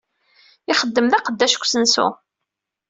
Ixeddem d aqeddac deg usensu.